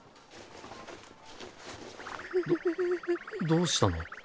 どどうしたの？